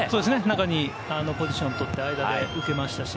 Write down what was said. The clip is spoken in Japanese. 中にポジションを取って、間で受けましたしね。